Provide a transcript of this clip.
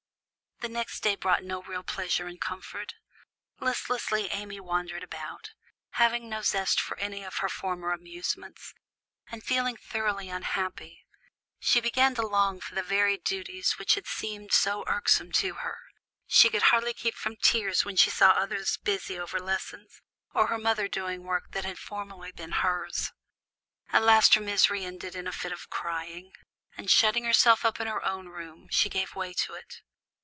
The next day brought no real pleasure and comfort. Listlessly Amy wandered about, having no zest for any of her former amusements, and feeling thoroughly unhappy. She began to long for the very duties which had seemed so irksome to her; she could hardly keep from tears when she saw others busy over lessons, or her mother doing work which had formerly been hers. At last her misery ended in a fit of crying, and shutting herself up in her own room, she gave way to it.